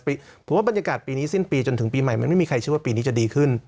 เพราะว่าบรรยากาศปีนี้สิ้นปีจนถึงปีใหม่มันไม่มีใครเชื่อว่าปีนี้จะดีขึ้น